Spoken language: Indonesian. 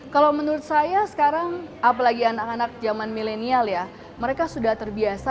kalau menurut saya sekarang apalagi anak anak zaman milenial ya mereka sudah terbiasa